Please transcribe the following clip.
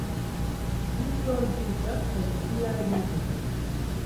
Ĝi tordiĝas en siaj limoj.